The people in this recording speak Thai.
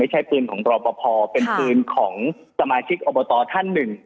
ใช้ปืนของรอปภเป็นปืนของสมาชิกอบตท่านหนึ่ง